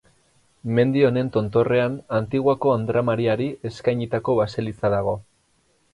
Mendi honen tontorrean Antiguako Andra Mariari eskainitako baseliza dago.